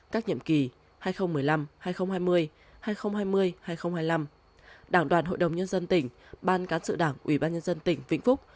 các nhiệm kỳ hai nghìn một mươi năm hai nghìn hai mươi hai nghìn hai mươi hai nghìn hai mươi năm đảng đoàn hội đồng nhân dân tỉnh ban cán sự đảng ủy ban nhân dân tỉnh vĩnh phúc